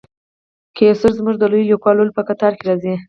قیصر زموږ د لویو لیکوالو په قطار کې راځي.